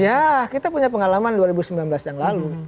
ya kita punya pengalaman dua ribu sembilan belas yang lalu